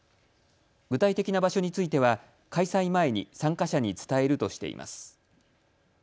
具体的な場所については開催前に参加者に伝えるとしています。